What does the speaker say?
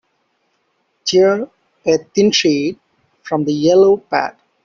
Tear a thin sheet from the yellow pad.